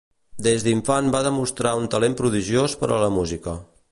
Des d'infant va demostrar un talent prodigiós per a la música.